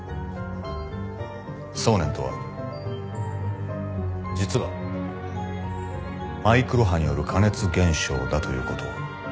送念とは実はマイクロ波による加熱現象だということを。